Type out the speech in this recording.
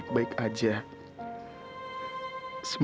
nembus kesalahan aku sama kamu